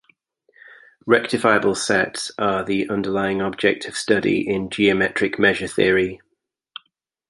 Rectifiable sets are the underlying object of study in geometric measure theory.